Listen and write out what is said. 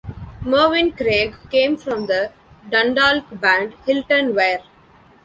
Mervyn Craig came from the Dundalk band "Hylton Weir".